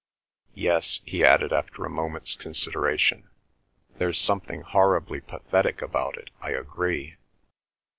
"Yes," he added after a moment's consideration, "there's something horribly pathetic about it, I agree."